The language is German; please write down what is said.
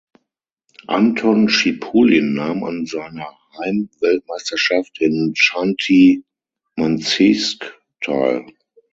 Anton Schipulin nahm an seiner Heim-Weltmeisterschaft in Chanty-Mansijsk teil.